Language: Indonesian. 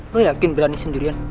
lo yakin berani sendirian